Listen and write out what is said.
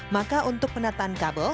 maka untuk penataan kabel